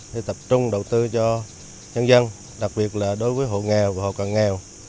sẽ tập trung đầu tư cho nhân dân đặc biệt là đối với hồ nghèo và hồ càng nghèo